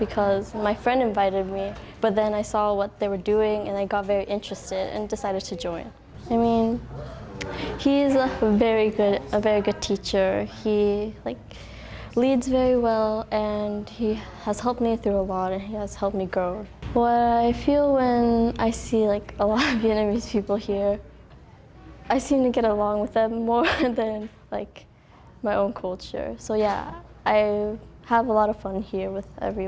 cảm ơn các bạn đã theo dõi